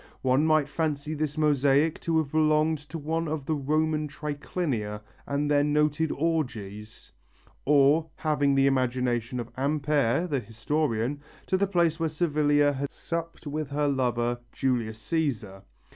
One might fancy this mosaic to have belonged to one of those Roman Triclinia and their noted orgies, or, having the imagination of Ampere, the historian, to the place where Servilia had supped with her lover, Julius Cæsar.